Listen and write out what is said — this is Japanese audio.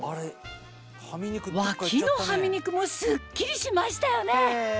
脇のハミ肉もスッキリしましたよね